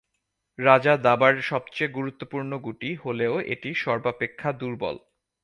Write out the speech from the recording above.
রাজা দাবার সবচেয়ে গুরুত্বপূর্ণ গুটি হলেও এটিই সর্বাপেক্ষা দুর্বল।